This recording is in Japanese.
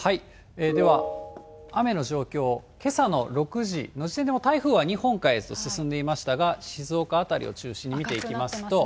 では、雨の状況、けさの６時の時点でも、台風は日本海へと進んでいましたが、静岡辺りを中心に見ていきますと。